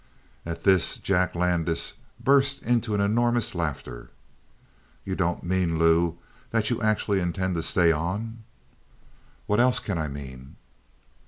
At this Jack Landis burst into an enormous laughter. "You don't mean, Lou, that you actually intend to stay on?" "What else can I mean?"